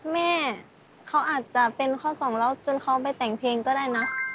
แม่เขาอาจจะเป็นข้อสองแล้วจนเขาไปแต่งเพลงก็ได้นะ